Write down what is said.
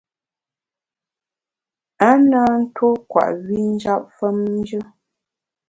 A na ntuo kwet wi njap famjù.